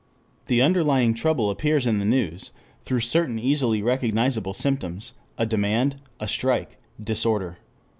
The underlying trouble appears in the news through certain easily recognizable symptoms, a demand, a strike, disorder.